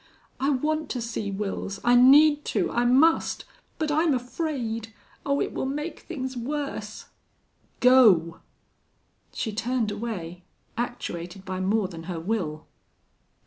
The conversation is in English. "I want to see Wils. I need to I must. But I'm afraid.... Oh, it will make things worse!" "Go!" She turned away, actuated by more than her will.